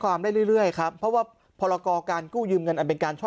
ได้เรื่อยครับเพราะว่าพรกรการกู้ยืมเงินอันเป็นการช่อ